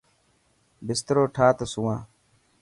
بسترو ٺاهه ته سوان.